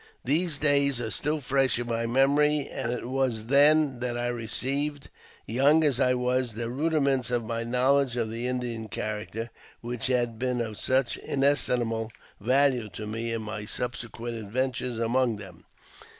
Those days are still fresh in my memory, and it was then that I received, young as I was, the rudiments of my knowledge of the Indian character, which has been of such inestimable value to me in my subsequent adventures among them.